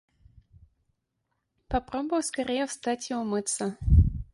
Попробую скорее встать и умыться.